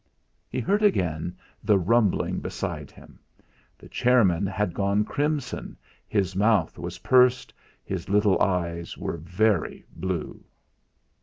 He heard again the rumbling beside him. The chairman had gone crimson, his mouth was pursed, his little eyes were very blue.